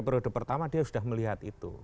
periode pertama dia sudah melihat itu